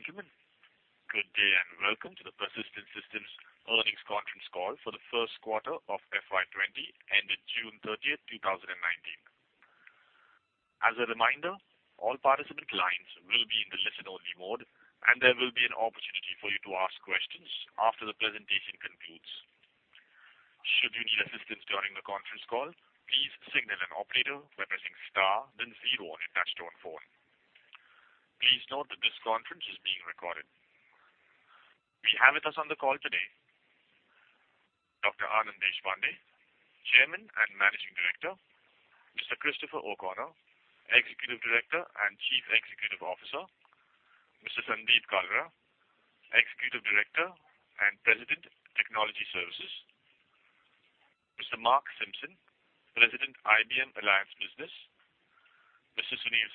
Ladies and gentlemen, good day and welcome to the Persistent Systems Earnings Conference Call for the First Quarter of FY 2020, ended June 30th, 2019. As a reminder, all participant lines will be in the listen only mode, and there will be an opportunity for you to ask questions after the presentation concludes. Should you need assistance during the conference call, please signal an operator by pressing star then zero on your touch-tone phone. Please note that this conference is being recorded. We have with us on the call today, Dr. Anand Deshpande, Chairman and Managing Director. Mr. Christopher O'Connor, Executive Director and Chief Executive Officer. Mr. Sandeep Kalra, Executive Director and President, Technology Services. Mr. Mark Simpson, President, IBM Alliance Business. Mr. Sunil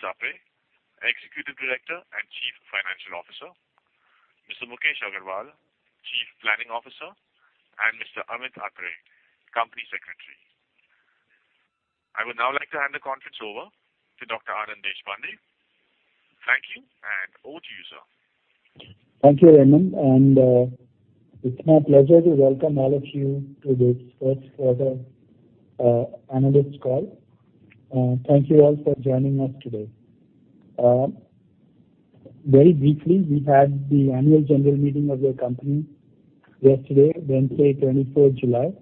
Sapre, Executive Director and Chief Financial Officer. Mr. Mukesh Agarwal, Chief Planning Officer, and Mr. Amit Atre, Company Secretary. I would now like to hand the conference over to Dr. Anand Deshpande. Thank you, and over to you, Sir. Thank you, Raymond. It's my pleasure to welcome all of you to this first quarter analyst call. Thank you all for joining us today. Very briefly, we had the annual general meeting of the company yesterday, Wednesday, July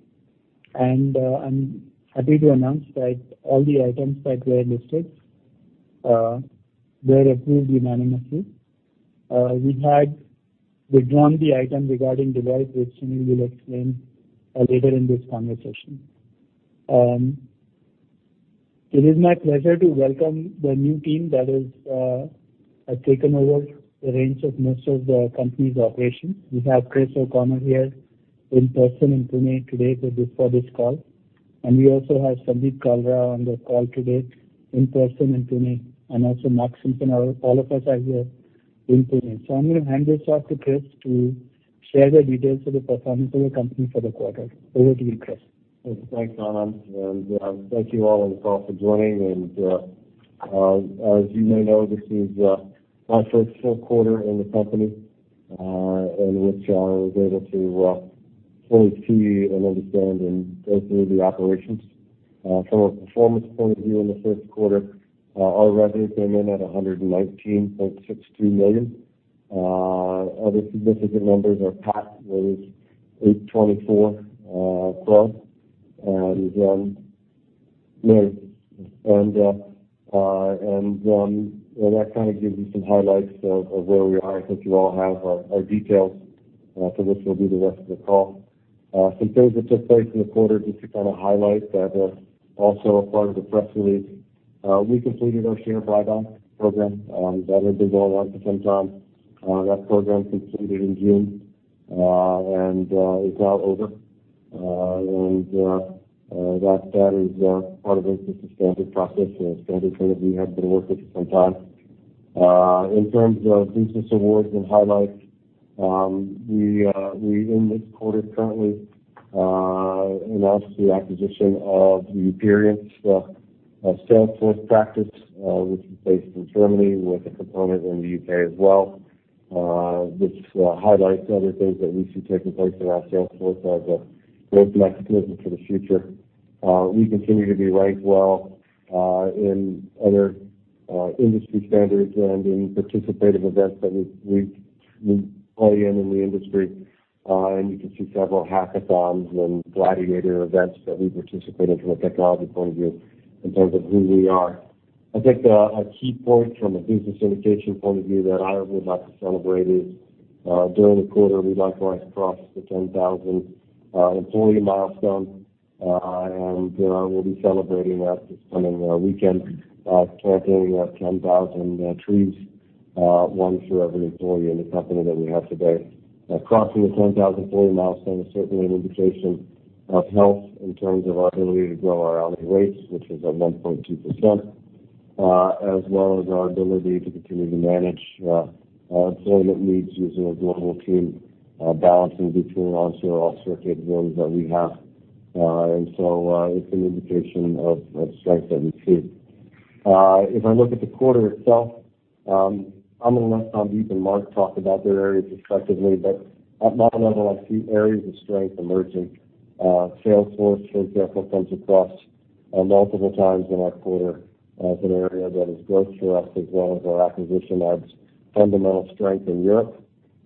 24th. I'm happy to announce that all the items that were listed were approved unanimously. We had withdrawn the item regarding dividend, which Sunil will explain later in this conversation. It is my pleasure to welcome the new team that has taken over the reins of most of the company's operations. We have Chris O'Connor here in person in Pune today for this call. We also have Sandeep Kalra on the call today in person in Pune, and also Mark Simpson. All of us are here in Pune. I'm going to hand this off to Chris to share the details of the performance of the company for the quarter. Over to you, Chris. Thanks, Anand, thank you all on the call for joining. As you may know, this is my first full quarter in the company, in which I was able to fully see and understand and go through the operations. From a performance point of view in the first quarter, our revenues came in at $119.62 million. Other significant numbers are PAT was 824 crores. That kind of gives you some highlights of where we are. I think you all have our details for this will be the rest of the call. Some things that took place in the quarter just to kind of highlight that were also a part of the press release. We completed our share buyback program. That had been going on for some time. That program completed in June and is now over. That is part of a just a standard process, a standard thing that we have been working for some time. In terms of business awards and highlights, we in this quarter currently announced the acquisition of the youperience Salesforce practice, which is based in Germany with a component in the U.K. as well, which highlights other things that we see taking place in our Salesforce as a growth mechanism for the future. We continue to be ranked well in other industry standards and in participative events that we play in in the industry. You can see several hackathons and gladiator events that we participate in from a technology point of view in terms of who we are. I think a key point from a business indication point of view that I would like to celebrate is, during the quarter, we likewise crossed the 10,000 employee milestone, and we'll be celebrating that this coming weekend, planting 10,000 trees, one for every employee in the company that we have today. Crossing the 10,000 employee milestone is certainly an indication of health in terms of our ability to grow our hourly rates, which is at 1.2%, as well as our ability to continue to manage employment needs using a global team, balancing between offshore, offsite, and those that we have. It's an indication of strength that we see. If I look at the quarter itself, I'm going to let Sandeep and Mark talk about their areas effectively, but at my level, I see areas of strength emerging. Salesforce comes across multiple times in our quarter as an area that is growth for us as well as our acquisition adds fundamental strength in Europe,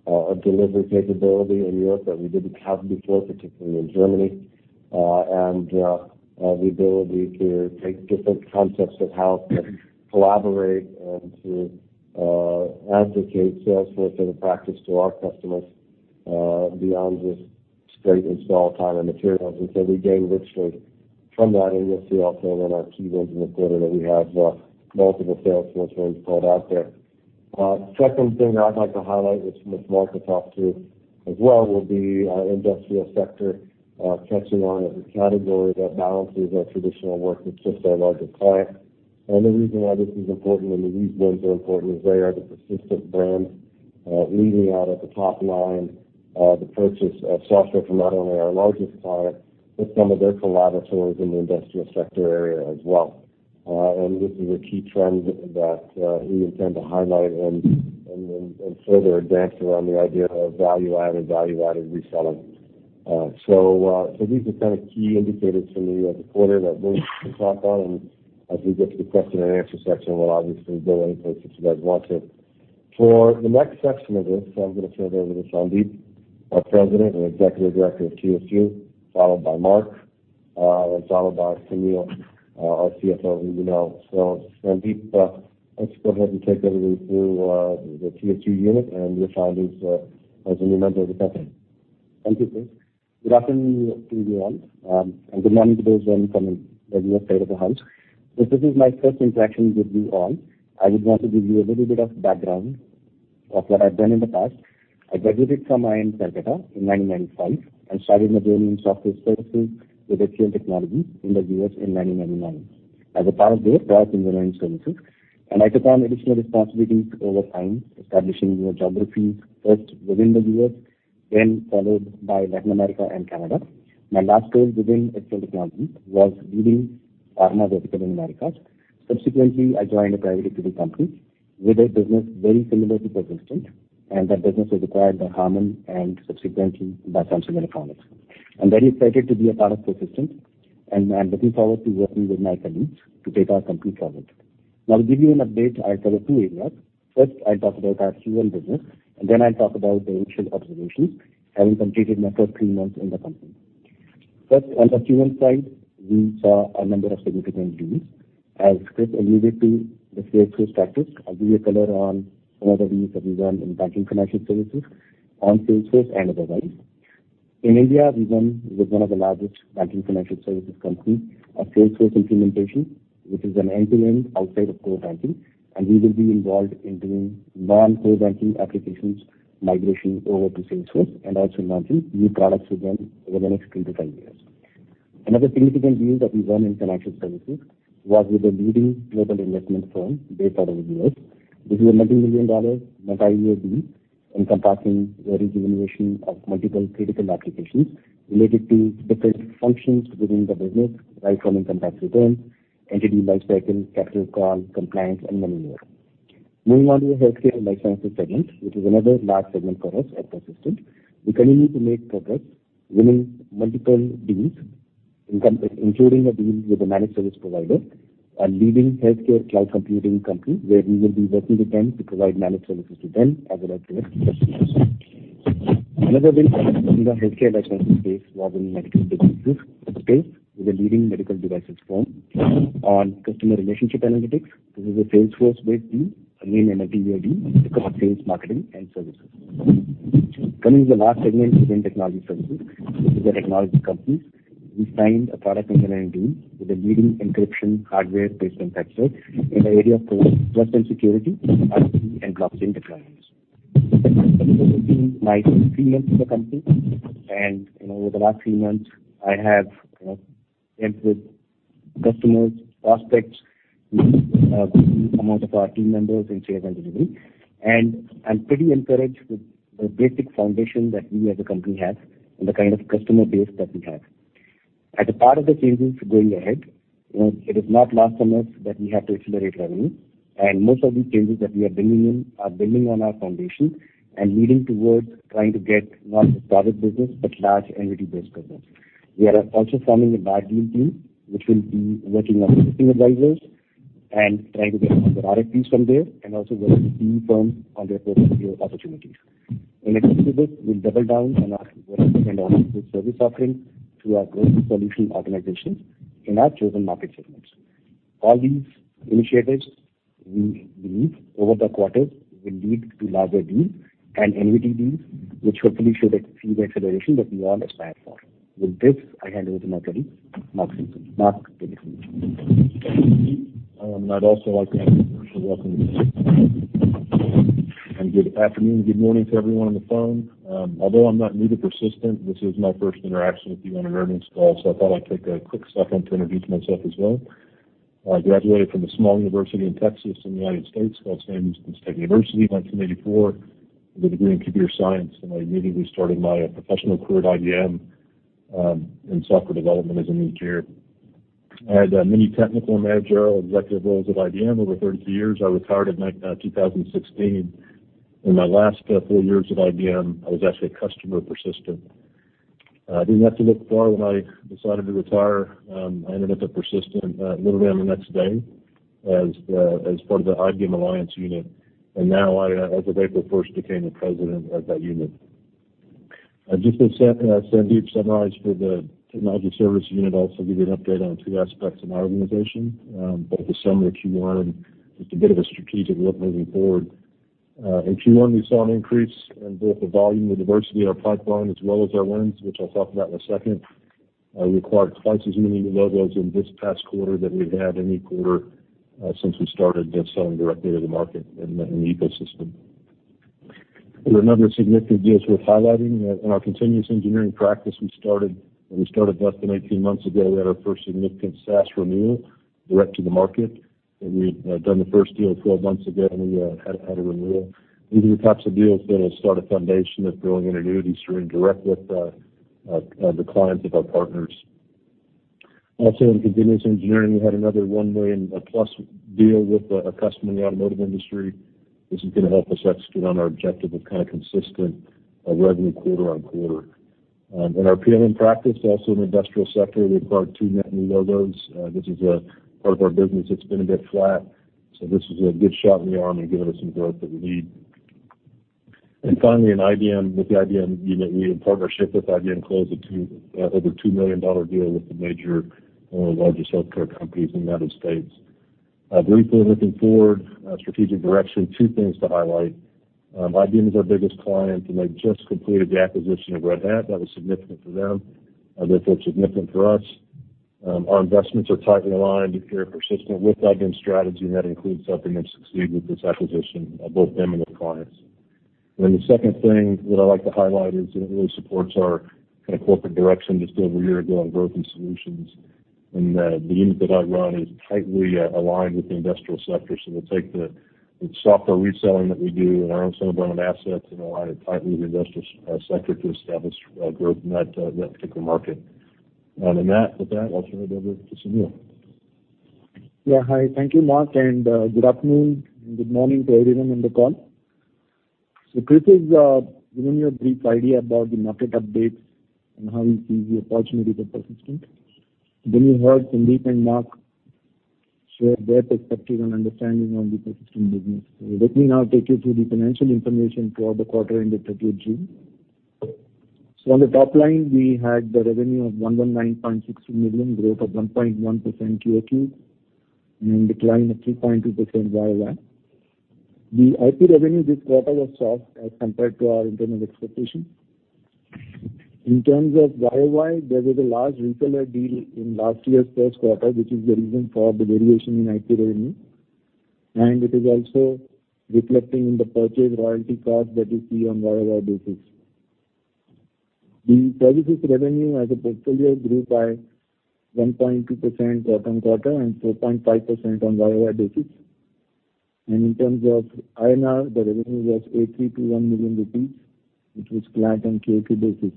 a delivery capability in Europe that we didn't have before, particularly in Germany. The ability to take different concepts of how to collaborate and to advocate Salesforce as a practice to our customers beyond just straight install time and materials. So we gain richly from that. You'll see also in our key wins in the quarter that we have multiple Salesforce wins called out there. Second thing that I'd like to highlight, which Mark will talk to as well, will be our industrial sector catching on as a category that balances our traditional work with just our larger clients. The reason why this is important, and the wins are important is they are the Persistent brand Leading out at the top line, the purchase of software from not only our largest client, but some of their collaborators in the industrial sector area as well. This is a key trend that we intend to highlight and further advance around the idea of value-added reseller. These are key indicators for me of the quarter that we can talk on, and as we get to the question and answer section, we will obviously go anyplace that you guys want to. For the next section of this, I am going to turn it over to Sandeep, our President and Executive Director of TS2, followed by Mark, and followed by Sunil, our CFO, who you know. Sandeep, let us go ahead and take everybody through the TS2 unit and your findings as a new member of the company. Thank you, Chris. Good afternoon to you all, and good morning to those joining from the U.S. side of the house. This is my first interaction with you all. I would want to give you a little bit of background of what I've done in the past. I graduated from IIM Calcutta in 1995 and started my journey in software services with iGate Technologies in the U.S. in 1999. As a part of this, product engineering services, and I took on additional responsibilities over time, establishing new geographies, first within the U.S., then followed by Latin America and Canada. My last role within iGate Technologies was leading ARMA vertical in Americas. Subsequently, I joined a private equity company with a business very similar to Persistent, and that business was acquired by HARMAN, and subsequently by Samsung Electronics. I'm very excited to be a part of Persistent, I'm looking forward to working with my colleagues to take our company forward. To give you an update, I have two areas. First, I'll talk about our Q1 business, then I'll talk about the initial observations, having completed my first three months in the company. First, on the Q1 side, we saw a number of significant wins. As Chris alluded to the Salesforce practice, I'll give you a color on some of the wins that we won in Banking Financial Services on Salesforce and otherwise. In India, we won with one of the largest Banking Financial Services company, a Salesforce implementation, which is an end-to-end outside of core banking, we will be involved in doing non-core banking applications migration over to Salesforce, also launching new products with them over the next three to five years. Another significant win that we won in financial services was with a leading global investment firm based out of the U.S. This is a multi-million dollar, multi-year deal encompassing a re-generation of multiple critical applications related to different functions within the business, right from income tax return, entity lifecycle, capital call, compliance, and many more. Moving on to the healthcare life sciences segment, which is another large segment for us at Persistent. We continue to make progress winning multiple deals, including a deal with a managed service provider, a leading healthcare cloud computing company, where we will be working with them to provide managed services to them as well as their customers. Another win for us in the healthcare life sciences space was in medical devices. This is a leading medical devices firm on customer relationship analytics. This is a Salesforce-based deal, again, a multi-year deal across sales, marketing, and services. Coming to the last segment within Technology Services. This is a technology company. We signed a product engineering deal with a leading encryption hardware-based manufacturer in the area of trust and security, IoT, and blockchain technologies. The next segment will be my first three months in the company. Over the last three months, I have met with customers, prospects, with some of our team members in sales and delivery. I'm pretty encouraged with the basic foundation that we as a company have and the kind of customer base that we have. As a part of the changes going ahead, it is not lost on us that we have to accelerate revenue, and most of these changes that we are bringing in are building on our foundation and leading towards trying to get not just product business, but large entity-based business. We are also forming a large deal team which will be working with existing advisors and trying to get some of the RFPs from there, and also working with PE firms on their growth year opportunities. In addition to this, we'll double down on our existing and enhanced service offering through our growth solution organizations in our chosen market segments. All these initiatives, we believe over the quarters, will lead to larger deals and entity deals, which hopefully should see the acceleration that we all aspire for. With this, I hand over to my colleague, Mark Simpson. Mark, take it from here. Thank you, Sandeep. I'd also like to thank you for welcoming me. Good afternoon, good morning to everyone on the phone. Although I'm not new to Persistent, this is my first interaction with you on an earnings call, so I thought I'd take a quick second to introduce myself as well. I graduated from a small university in Texas in the United States called Sam Houston State University in 1984 with a degree in computer science, and I immediately started my professional career at IBM in software development as an engineer. I had many technical, managerial, executive roles at IBM over 30 years. I retired in 2016. In my last four years at IBM, I was actually a customer of Persistent. I didn't have to look far when I decided to retire. I ended up at Persistent literally on the next day as part of the IBM Alliance unit, and now as of April 1, became the President of that unit. Just as Sandeep summarized for the Technology Service unit, I'll also give you an update on two aspects of my organization. Both the summary of Q1 and just a bit of a strategic look moving forward. In Q1, we saw an increase in both the volume and diversity of our pipeline, as well as our wins, which I'll talk about in a second. We acquired twice as many new logos in this past quarter than we've had any quarter since we started selling directly to the market in the ecosystem. There are a number of significant deals worth highlighting. In our continuous engineering practice we started less than 18 months ago, we had our first significant SaaS renewal direct to the market. We had done the first deal 12 months ago, and we had a renewal. These are the types of deals that will start a foundation of building annuities through indirect with the clients of our partners. Also, in continuance engineering, we had another $1 million+ deal with a customer in the automotive industry. This is going to help us execute on our objective of consistent revenue quarter on quarter. In our PLM practice, also in the industrial sector, we acquired two net new logos. This is a part of our business that's been a bit flat, so this was a good shot in the arm in giving us some growth that we need. Finally, in IBM. With IBM, we in partnership with IBM, closed over a $2 million deal with the major, one of the largest healthcare companies in the United States. Briefly looking forward, strategic direction, two things to highlight. IBM is our biggest client. They just completed the acquisition of Red Hat. That was significant for them, therefore significant for us. Our investments are tightly aligned to carry Persistent with IBM's strategy, and that includes helping them succeed with this acquisition of both them and their clients. The second thing that I'd like to highlight is it really supports our corporate direction just over a year ago on growth and solutions. The unit that I run is tightly aligned with the industrial sector, so we'll take the software reselling that we do and our own set of branded assets and align it tightly with the industrial sector to establish growth in that particular market. On that, with that, I'll turn it over to Sunil. Yeah. Hi. Thank you, Mark, good afternoon and good morning to everyone on the call. Chris has given you a brief idea about the market updates and how we see the opportunities at Persistent. You heard Sandeep and Mark share their perspective and understanding on the Persistent business. Let me now take you through the financial information throughout the quarter ending June 30th. On the top line, we had the revenue of $119.62 million, growth of 1.1% QoQ, and decline of 3.2% YOY. The IP revenue this quarter was soft as compared to our internal expectation. In terms of YOY, there was a large reseller deal in last year's first quarter, which is the reason for the variation in IP revenue, and it is also reflecting in the purchase royalty cost that you see on YOY basis. The services revenue as a portfolio grew by 1.2% quarter-on-quarter and 4.5% on YOY basis. In terms of INR, the revenue was 8,32.1 million rupees, which was flat on QoQ basis.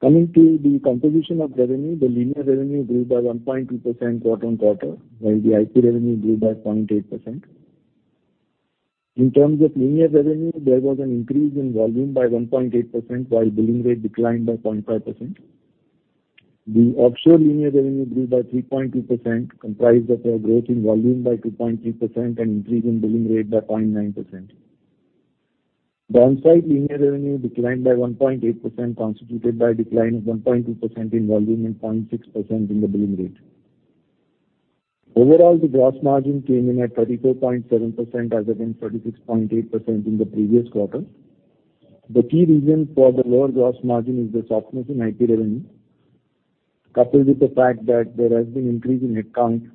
Coming to the composition of revenue, the linear revenue grew by 1.2% quarter-on-quarter, while the IP revenue grew by 0.8%. In terms of linear revenue, there was an increase in volume by 1.8%, while billing rate declined by 0.5%. The offshore linear revenue grew by 3.2%, comprised of a growth in volume by 2.3% and increase in billing rate by 0.9%. The onsite linear revenue declined by 1.8%, constituted by a decline of 1.2% in volume and 0.6% in the billing rate. Overall, the gross margin came in at 34.7% as against 36.8% in the previous quarter. The key reason for the lower gross margin is the softness in IP revenue, coupled with the fact that there has been increase in headcount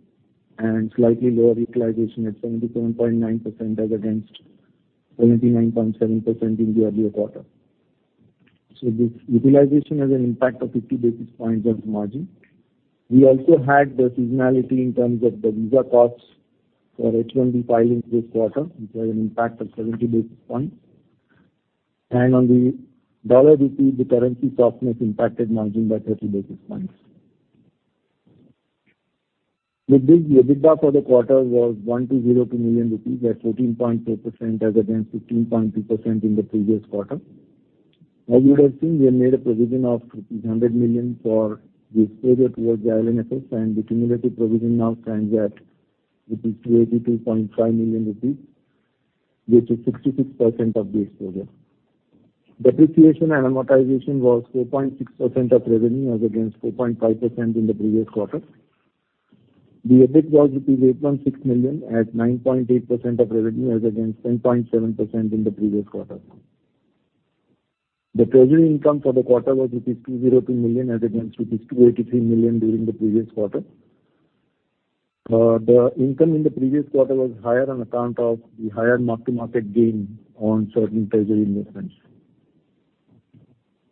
and slightly lower utilization at 77.9% as against 79.7% in the earlier quarter. This utilization has an impact of 50 basis points on margin. We also had the seasonality in terms of the visa costs for H1B filings this quarter, which had an impact of 70 basis points. On the dollar rupee, the currency softness impacted margin by 30 basis points. The big EBITDA for the quarter was 1,202 million rupees, or 14.4% as against 15.2% in the previous quarter. As you would have seen, we have made a provision of rupees 100 million for this period towards the IL&FS, and the cumulative provision now stands at 282.5 million rupees, which is 66% of the exposure. Depreciation and amortization were 4.6% of revenue, as against 4.5% in the previous quarter. The EBIT was rupees 8.6 million at 9.8% of revenue, as against 10.7% in the previous quarter. The treasury income for the quarter was rupees 202 million, as against rupees 283 million during the previous quarter. The income in the previous quarter was higher on account of the higher mark-to-market gain on certain treasury investments.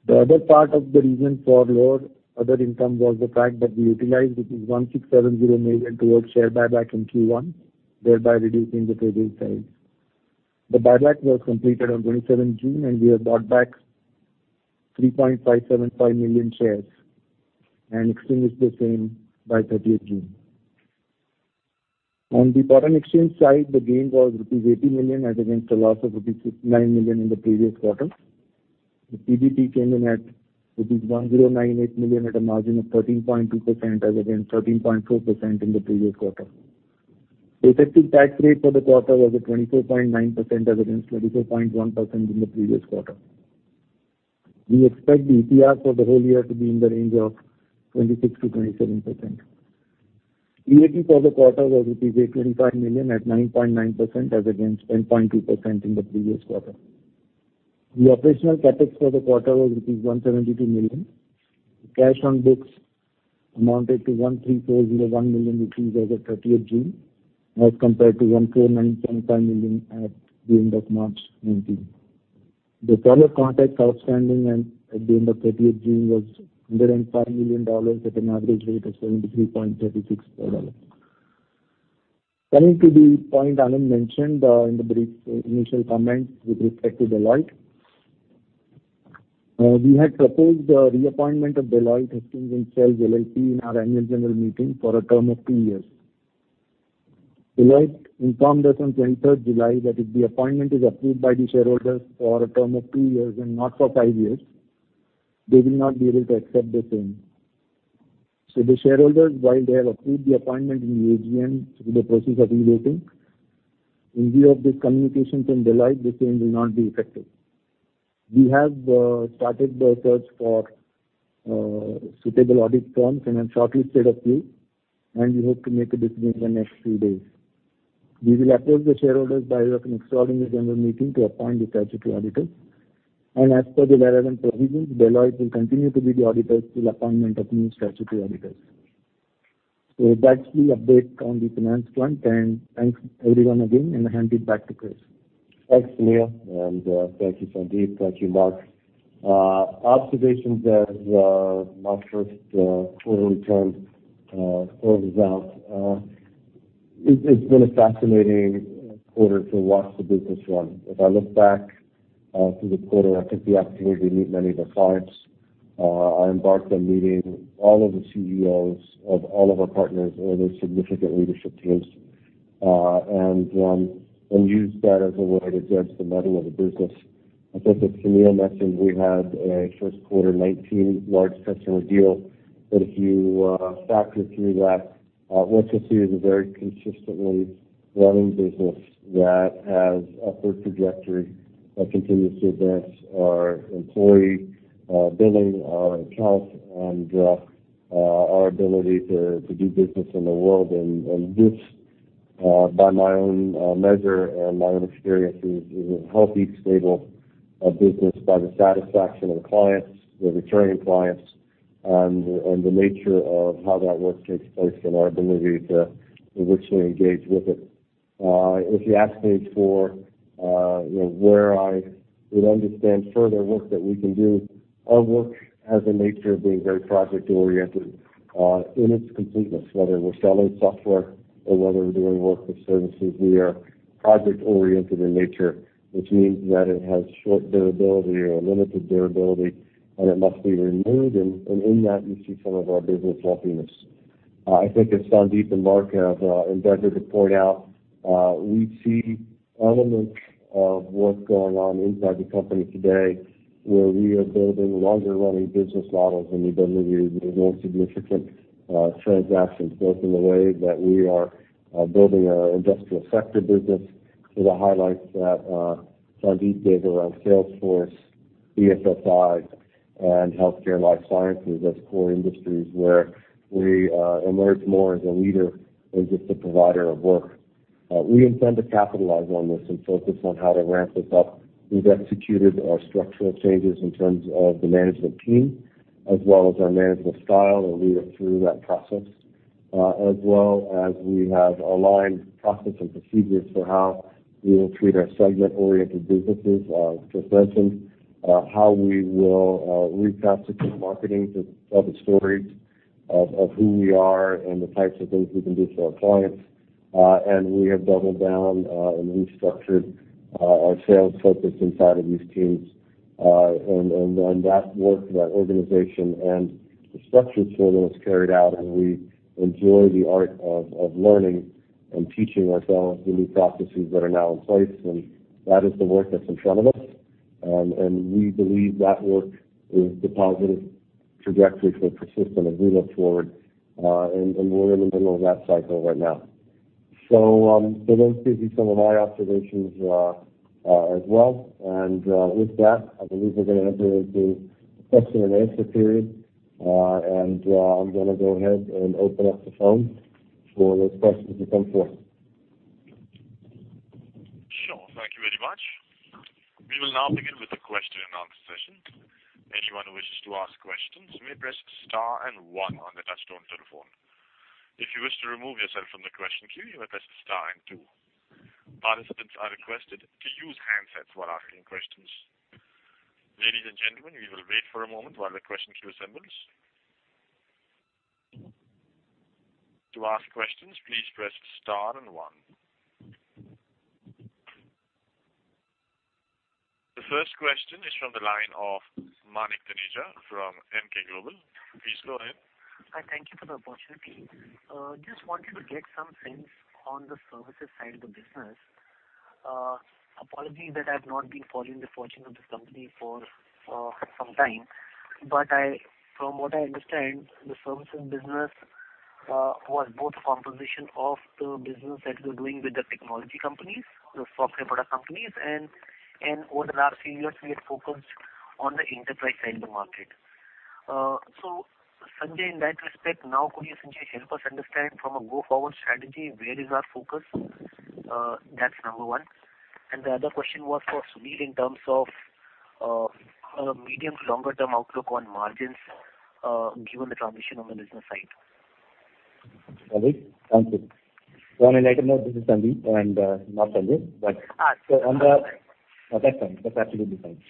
The other part of the reason for lower other income was the fact that we utilized 1,670 million towards share buyback in Q1, thereby reducing the treasury size. The buyback was completed on June 27, and we have bought back 3.575 million shares and extinguished the same by June 30th. On the foreign exchange side, the gain was rupees 80 million as against a loss of rupees 9 million in the previous quarter. The PBT came in at rupees 1,098 million at a margin of 13.2% as against 13.4% in the previous quarter. Effective tax rate for the quarter was at 24.9% as against 24.1% in the previous quarter. We expect the ETR for the whole year to be in the range of 26%-27%. PAT for the quarter was INR 825 million at 9.9% as against 10.2% in the previous quarter. The operational CapEx for the quarter was rupees 172 million. The cash on books amounted to 1,340.1 million rupees as of June 30th as compared to 1,290.5 million at the end of March 2019. The seller contracts outstanding at the end of June 30th was $105 million at an average rate of $73.36. Coming to the point Anand mentioned in the brief initial comments with respect to Deloitte. We had proposed the reappointment of Deloitte Haskins & Sells LLP in our annual general meeting for a term of two years. Deloitte informed us on July 23rd that if the appointment is approved by the shareholders for a term of two years and not for five years, they will not be able to accept the same. The shareholders, while they have approved the appointment in the AGM through the process of e-voting, in view of this communication from Deloitte, the same will not be effective. We have started the search for suitable audit firms and have shortlisted a few, and we hope to make a decision in the next few days. We will approach the shareholders via an extraordinary general meeting to appoint the statutory auditors, and as per the relevant provisions, Deloitte will continue to be the auditors till appointment of new statutory auditors. That's the update on the finance front, and thanks everyone again, and I hand it back to Chris. Thanks, Sunil, and thank you, Sandeep. Thank you, Mark. Observations as my first quarter return, quarter results. It has been a fascinating quarter to watch the business run. If I look back through the quarter, I took the opportunity to meet many of our clients. I embarked on meeting all of the CEOs of all of our partners or their significant leadership teams, and used that as a way to judge the mettle of the business. I think as Sunil mentioned, we had a first quarter 2019 large customer deal. If you factor through that, what you see is a very consistently running business that has upward trajectory that continues to advance our employee billing, our accounts, and our ability to do business in the world. This, by my own measure and my own experiences, is a healthy, stable business by the satisfaction of the clients, the returning clients, and the nature of how that work takes place and our ability to richly engage with it. If you ask me for where I would understand further work that we can do, our work has a nature of being very project-oriented, in its completeness, whether we're selling software or whether we're doing work with services. We are project-oriented in nature, which means that it has short durability or limited durability, and it must be renewed. In that, you see some of our business lumpiness. I think as Sandeep and Mark have endeavored to point out, we see elements of work going on inside the company today where we are building longer-running business models and the ability to do more significant transactions, both in the way that we are building our industrial sector business to the highlights that Sandeep gave around Salesforce, BFSI, and healthcare life sciences as core industries where we emerge more as a leader than just a provider of work. We intend to capitalize on this and focus on how to ramp this up. We've executed our structural changes in terms of the management team as well as our management style, and we are through that process. As well as we have aligned process and procedures for how we will treat our segment-oriented businesses, which I've mentioned. How we will recapture some marketing to tell the stories of who we are and the types of things we can do for our clients. We have doubled down and restructured our sales focus inside of these teams. That work, that organization, and the structure for them is carried out, and we enjoy the art of learning and teaching ourselves the new processes that are now in place, and that is the work that's in front of us. We believe that work is the positive trajectory for Persistent as we look forward, and we're in the middle of that cycle right now. Those would be some of my observations as well. With that, I believe we're going to enter into the question and answer period. I'm going to go ahead and open up the phone for those questions to come forth. Sure. Thank you very much. We will now begin with the question-and-answer session. Anyone who wishes to ask questions may press star one on the touchtone telephone. If you wish to remove yourself from the question queue, you may press star two. Participants are requested to use handsets while asking questions. Ladies and gentlemen, we will wait for a moment while the question queue assembles. To ask questions, please press star one. The first question is from the line of Manik Taneja from Emkay Global. Please go ahead. Hi, thank you for the opportunity. Just wanted to get some sense on the services side of the business. Apologies that I've not been following the fortunes of this company for some time, but from what I understand, the services business was both a composition of the business that you were doing with the technology companies, the software product companies, and over the last few years, we have focused on the enterprise side of the market. Sandeep, in that respect, now could you essentially help us understand from a go-forward strategy, where is our focus? That's number one. The other question was for Sunil in terms of medium to longer-term outlook on margins given the transition on the business side. Sandeep. Sounds good. On a lighter note, this is Sandeep and not Sandeep. Sorry. No, that's fine. That's absolutely fine.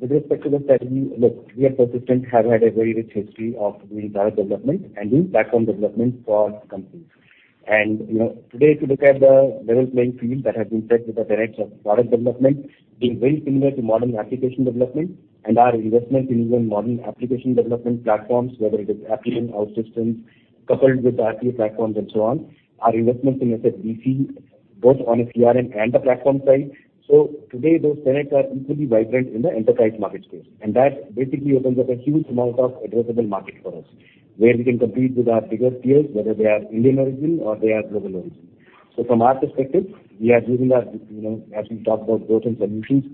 With respect to the strategy, look, we at Persistent have had a very rich history of doing product development and doing platform development for companies. Today, if you look at the level playing field that has been set with the tenets of product development being very similar to modern application development and our investment in even modern application development platforms, whether it is Appian, OutSystems, coupled with the IP platforms and so on, our investments in SFDC, both on a CRM and a platform side. Today, those tenets are equally vibrant in the enterprise marketplace. That basically opens up a huge amount of addressable market for us, where we can compete with our bigger peers, whether they are Indian origin or they are global origin. From our perspective, as we talk about growth and solutions,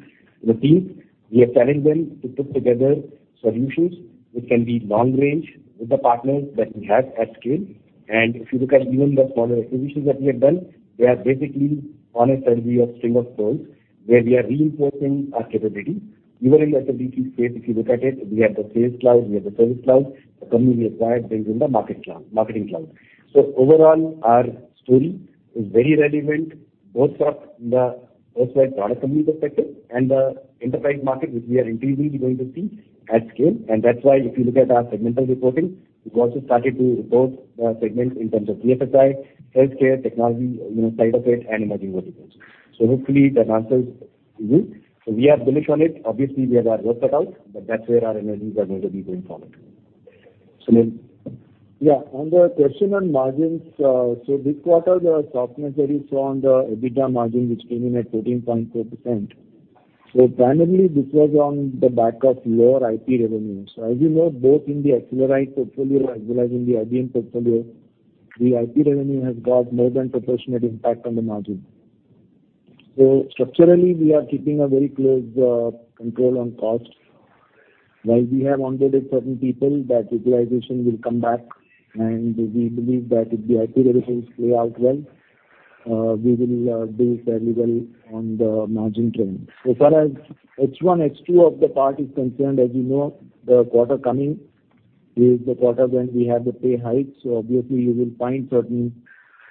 the teams, we have challenged them to put together solutions which can be long-range with the partners that we have at scale. If you look at even the smaller acquisitions that we have done, they are basically on a strategy of string of pearls, where we are reinforcing our capability. Even in SFDC space, if you look at it, we have the Sales Cloud, we have the Service Cloud, the company we acquired brings in the Marketing Cloud. Overall, our story is very relevant both from the elsewhere product company perspective and the enterprise market, which we are increasingly going to see at scale. That's why if you look at our segmental reporting, we've also started to report the segments in terms of BFSI, healthcare, technology, cybersecurity and emerging verticals. Hopefully that answers you. We are bullish on it. Obviously, we have our work cut out, but that's where our energies are going to be going forward. Sunil. On the question on margins, this quarter, the softness that you saw on the EBITDA margin, which came in at 14.2%. Primarily this was on the back of lower IP revenue. As you know, both in the Accelerite portfolio as well as in the IBM portfolio, the IP revenue has got more than proportionate impact on the margin. Structurally, we are keeping a very close control on costs. While we have on-boarded certain people, that utilization will come back, and we believe that if the IP revenues play out well, we will do fairly well on the margin trend. Far as H1, H2 of the part is concerned, as you know, the quarter coming is the quarter when we have the pay hike. Obviously you will find certain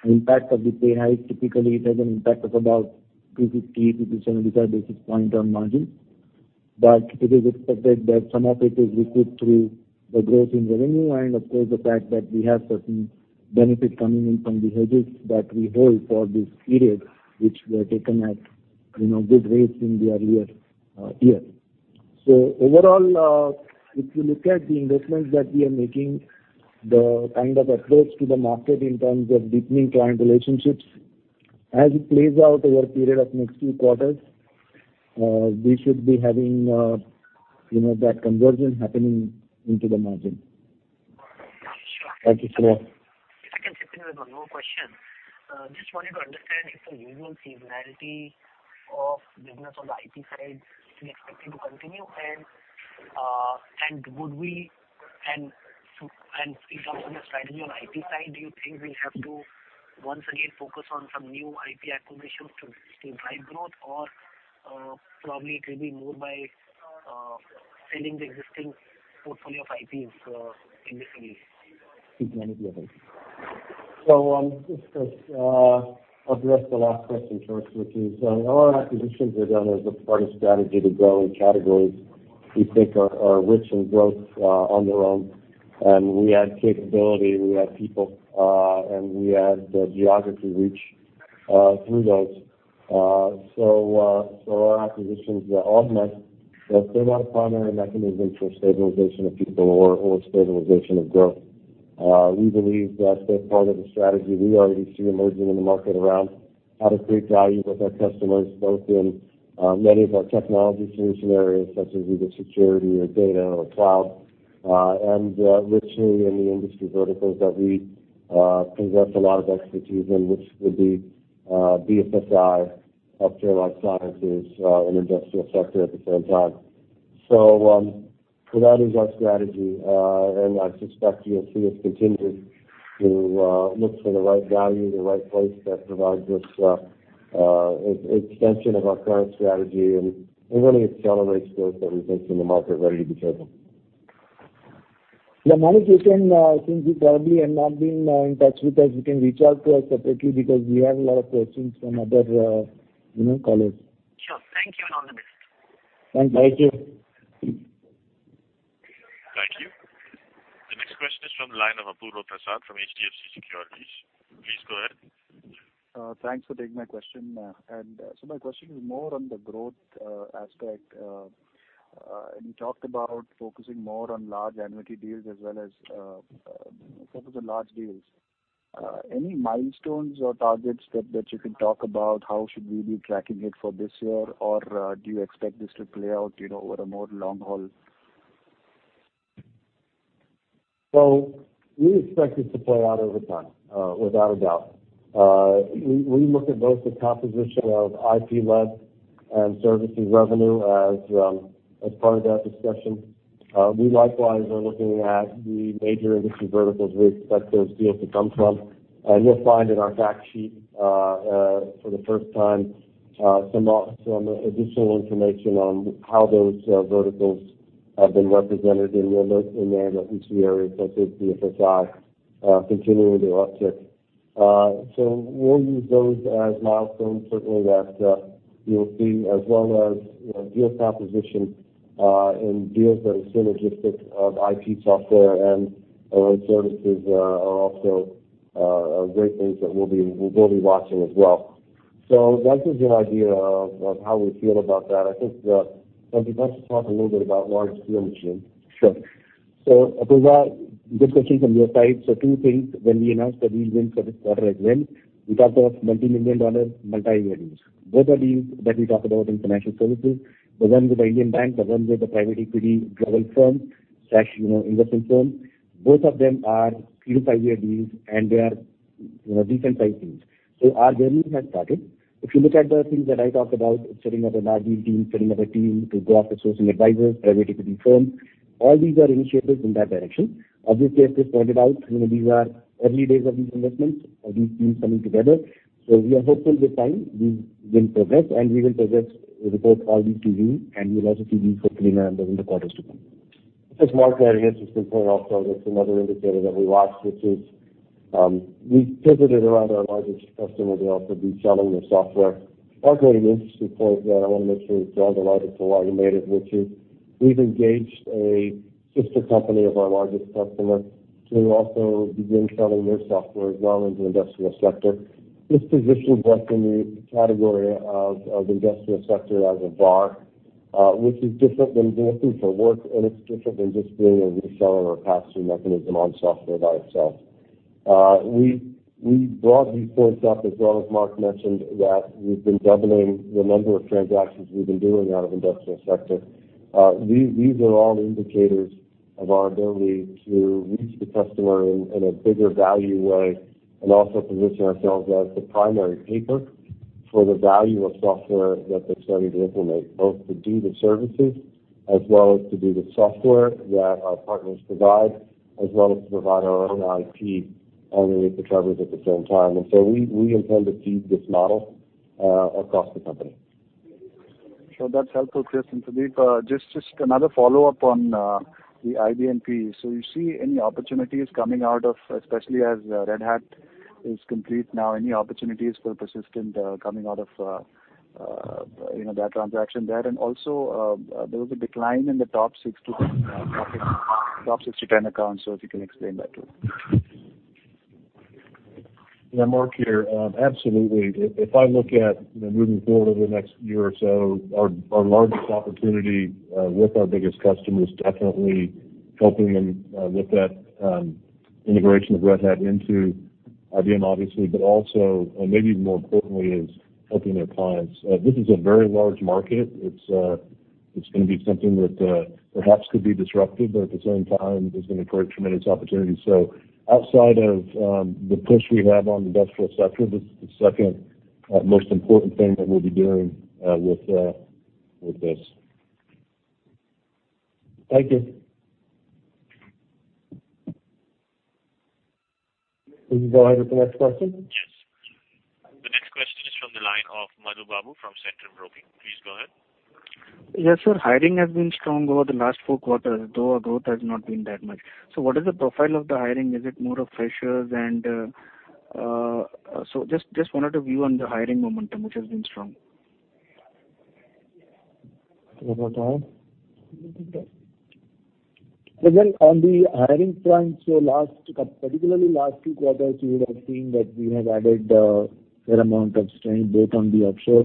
impact of the pay hike. Typically, it has an impact of about 250-275 basis point on margin. It is expected that some of it is recouped through the growth in revenue, and of course, the fact that we have certain benefits coming in from the hedges that we hold for this period, which were taken at good rates in the earlier year. Overall, if you look at the investments that we are making, the kind of approach to the market in terms of deepening client relationships, as it plays out over a period of next few quarters, we should be having that convergence happening into the margin. Sure. Thank you, Sunil. If I can chip in with one more question. Just wanted to understand if the usual seasonality of business on the IP side is expected to continue. In terms of the strategy on IP side, do you think we'll have to once again focus on some new IP acquisitions to drive growth or probably it will be more by selling the existing portfolio of IPs in this release? To Manik, I think. I'll address the last question first, which is, all our acquisitions are done as a part of strategy to grow in categories we think are rich in growth on their own. We add capability, we add people, and we add the geography reach through those. Our acquisitions are all meant as, they're not a primary mechanism for stabilization of people or stabilization of growth. We believe that they're part of the strategy we already see emerging in the market around how to create value with our customers, both in many of our technology solution areas, such as either security or data or cloud. Richly in the industry verticals that we possess a lot of expertise in, which would be BFSI, healthcare life sciences, and industrial sector at the same time. That is our strategy. I suspect you'll see us continue to look for the right value in the right place that provides us extension of our current strategy and really accelerates growth that we think is in the market ready to be taken. Yeah, Manik since you probably have not been in touch with us, you can reach out to us separately because we have a lot of questions from other callers. Sure. Thank you, and on the list. Thanks. Thank you. Thank you. The next question is from the line of Apurva Prasad from HDFC Securities. Please go ahead. Thanks for taking my question. My question is more on the growth aspect. You talked about focusing more on large annuity deals as well as focus on large deals. Any milestones or targets that you can talk about how should we be tracking it for this year? Do you expect this to play out over a more long haul? We expect this to play out over time, without a doubt. We look at both the composition of IP-led and services revenue as part of that discussion. We likewise are looking at the major industry verticals we expect those deals to come from. You'll find in our fact sheet, for the first time, some additional information on how those verticals. Have been represented in there that each area, such as BFSI, continuing their uptick. We'll use those as milestones, certainly that we'll see as well as deal composition in deals that are synergistic of IT software and our own services are also great things that we'll be watching as well. That gives you an idea of how we feel about that. I think, Sandeep, let's just talk a little bit about large deal machine. Sure. Apurva, discussing from your side, two things when we announced the deal win for this quarter as well, we talked about multimillion-dollar, multi-year deals. Both the deals that we talked about in financial services, the ones with the Indian bank, the ones with the private equity global firm/investment firm, both of them are three-to-five-year deals and they are decent sized deals. Our journey has started. If you look at the things that I talked about, setting up an RFP team, setting up a team to go after sourcing advisors, private equity firms, all these are initiatives in that direction. Obviously, as Chris pointed out, these are early days of these investments, of these teams coming together. We are hopeful with time we will progress, and we will progress with both RFP and we will have a few deals hopefully in the quarters to come. I think Mark had an interesting point also, that's another indicator that we watch, which is, we pivoted around our largest customer to also be selling their software. Apurva had an interesting point that I want to make sure is drawn the line to where you made it, which is, we've engaged a sister company of our largest customer to also begin selling their software as well into industrial sector. This positions us in the category of industrial sector as a VAR, which is different than building for work, and it's different than just being a reseller or pass-through mechanism on software by itself. We brought these points up as well as Mark mentioned that we've been doubling the number of transactions we've been doing out of industrial sector. These are all indicators of our ability to reach the customer in a bigger value way, and also position ourselves as the primary payer for the value of software that they're starting to implement, both to do the services as well as to do the software that our partners provide, as well as to provide our own IP underneath the covers at the same time. We intend to feed this model across the company. Sure. That's helpful, Chris and Sandeep. Just another follow-up on the IBM piece. You see any opportunities coming out of, especially as Red Hat is complete now, any opportunities for Persistent coming out of that transaction there? Also, there was a decline in the top six to 10 accounts, so if you can explain that too. Mark here. Absolutely. If I look at moving forward over the next year or so, our largest opportunity with our biggest customer is definitely helping them with that integration of Red Hat into IBM, obviously, but also, maybe even more importantly, is helping their clients. This is a very large market. It's going to be something that perhaps could be disruptive, but at the same time, is going to create tremendous opportunities. Outside of the push we have on industrial sector, this is the second most important thing that we'll be doing with this. Thank you. Please go ahead with the next question. Yes. The next question is from the line of Madhu Babu from Centrum Broking. Please go ahead. Yes, Sir. Hiring has been strong over the last four quarters, though our growth has not been that much. What is the profile of the hiring? Just wanted a view on the hiring momentum, which has been strong. [Apurva], go ahead. Well, on the hiring front, particularly last two quarters, you would have seen that we have added a fair amount of strength both on the offshore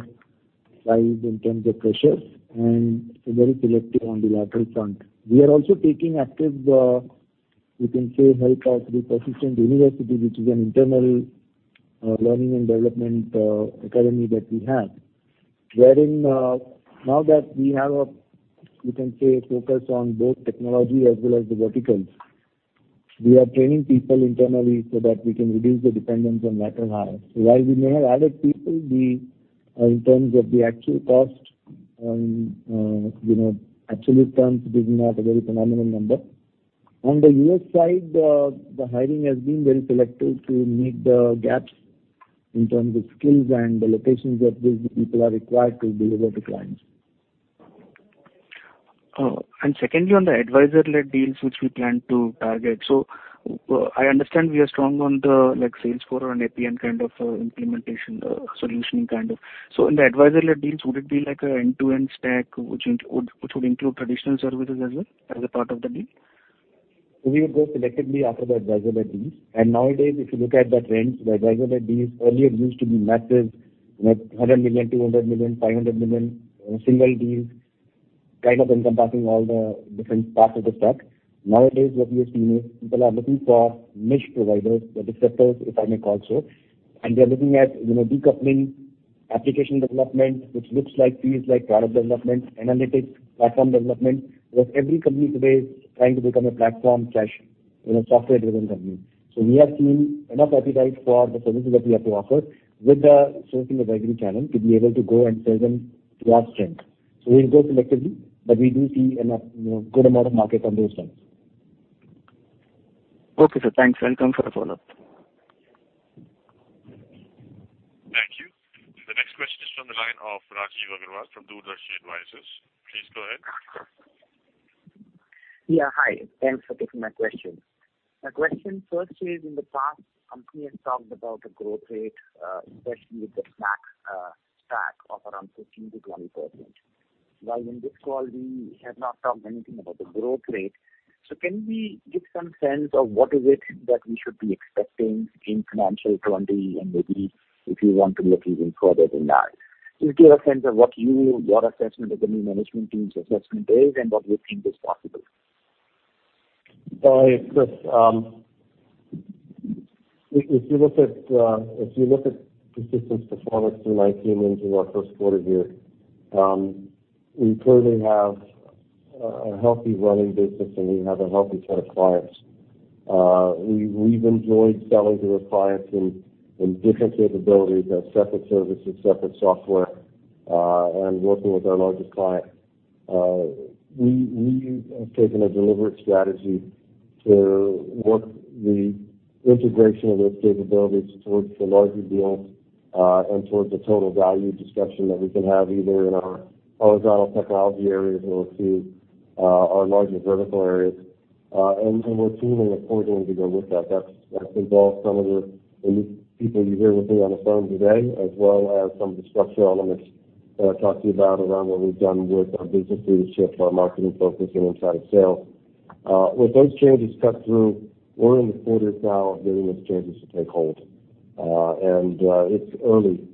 side in terms of freshers and very selective on the lateral front. We are also taking active, you can say, help of the Persistent University, which is an internal learning and development academy that we have. Wherein now that we have a, you can say, focus on both technology as well as the verticals. We are training people internally so that we can reduce the dependence on lateral hires. While we may have added people, in terms of the actual cost in absolute terms, it is not a very phenomenal number. On the U.S. side, the hiring has been very selective to meet the gaps in terms of skills and the locations that these people are required to deliver to clients. Secondly, on the advisor-led deals which we plan to target. I understand we are strong on the Salesforce and EPM kind of implementation solutioning kind of. In the advisor-led deals, would it be like a end-to-end stack, which would include traditional services as well, as a part of the deal? We would go selectively after the advisor-led deals. Nowadays, if you look at the trends, the advisor-led deals earlier used to be massive, 100 million, 200 million, 500 million, single deals, kind of encompassing all the different parts of the stack. Nowadays, what we are seeing is people are looking for niche providers or disruptors, if I may call so. They're looking at decoupling application development, which looks like fees like product development, analytics, platform development, because every company today is trying to become a platform/software-driven company. We are seeing enough appetite for the services that we have to offer with the sourcing advisory talent to be able to go and serve them to our strength. We'll go selectively, but we do see a good amount of market on those fronts. Okay, Sir. Thanks. Come for a follow-up. Thank you the next question is from the line of Rajiv Dudhia from Dudhia Rajiv Advisors. Please go ahead. Yeah. Hi. Thanks for taking my question. My question first is, in the past, Company has talked about a growth rate, especially with the stack of around 15%-20%. In this call, we have not talked anything about the growth rate. Can we get some sense of what is it that we should be expecting in financial 2020, and maybe if you want to look even further than that? Just give a sense of what your assessment of the new management team's assessment is, and what you think is possible. If you look at Persistent's performance through 2019 into our first quarter here, we clearly have a healthy running business, and we have a healthy set of clients. We've enjoyed selling to our clients in different capabilities as separate services, separate software, and working with our largest client. We have taken a deliberate strategy to work the integration of those capabilities towards the larger deals, and towards the total value discussion that we can have, either in our horizontal technology areas or to our larger vertical areas. We're teaming accordingly to go with that. That's involved some of the elite people you hear with me on the phone today, as well as some of the structural elements that I talked to you about around what we've done with our business leadership, our marketing focus, and inside sales. With those changes cut through, we're in the quarter now of getting those changes to take hold. It's early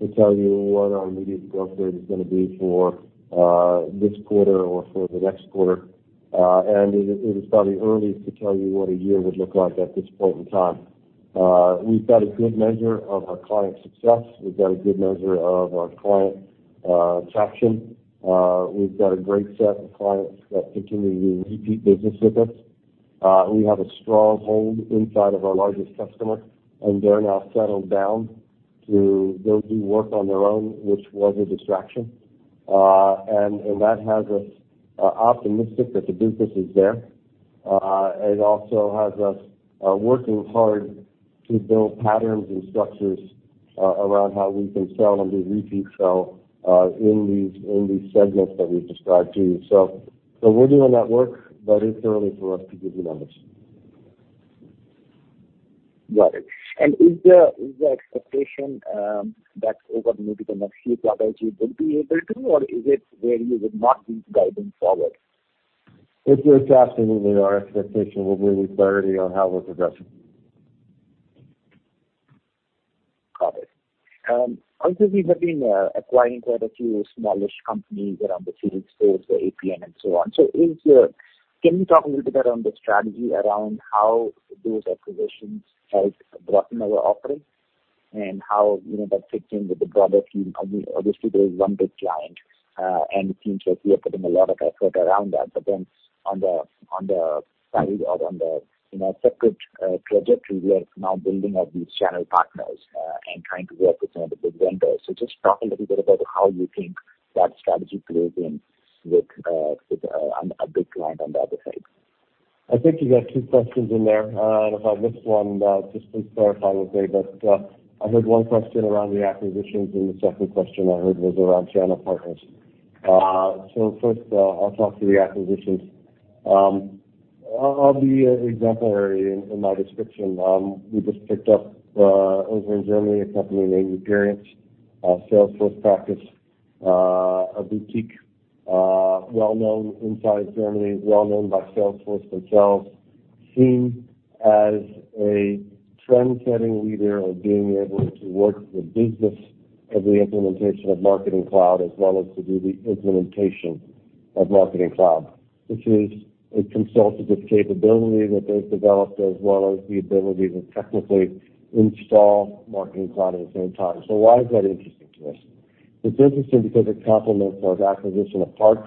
to tell you what our immediate growth rate is going to be for this quarter or for the next quarter. It is probably early to tell you what a year would look like at this point in time. We've got a good measure of our client success. We've got a good measure of our client traction. We've got a great set of clients that continue to do repeat business with us. We have a strong hold inside of our largest customer, and they're now settled down to go do work on their own, which was a distraction. That has us optimistic that the business is there. It also has us working hard to build patterns and structures around how we can sell and do repeat sell in these segments that we've described to you. We're doing that work, but it's early for us to give you numbers. Got it. Is there expectation that over the medium or next few quarters you will be able to, or is it where you would not give guidance forward? It's absolutely our expectation. We'll be very clear on how we're progressing. Got it. We have been acquiring quite a few smallish companies around the field sales, the Appian and so on. Can you talk a little bit around the strategy around how those acquisitions have broadened our offering? How that fits in with the broader scheme. Obviously, there is one big client, and it seems like you are putting a lot of effort around that. On the side or on the separate trajectory, we are now building up these channel partners, and trying to work with some of the big vendors. Just talk a little bit about how you think that strategy plays in with a big client on the other side. I think you got two questions in there. If I missed one, just please clarify with me. I heard one question around the acquisitions, and the second question I heard was around channel partners. First, I'll talk to the acquisitions. I'll be exemplary in my description. We just picked up, over in Germany, a company named youperience, a Salesforce practice, a boutique, well-known inside Germany, well-known by Salesforce themselves. Seen as a trendsetting leader of being able to work the business of the implementation of Marketing Cloud, as well as to do the implementation of Marketing Cloud. Which is a consultative capability that they've developed, as well as the ability to technically install Marketing Cloud at the same time. Why is that interesting to us? It's interesting because it complements our acquisition of PARX,